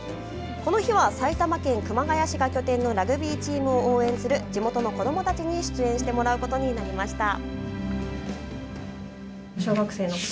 この日は埼玉県熊谷市が拠点のラグビーチームを応援する地元の子どもたちに出演してもらうことになりました。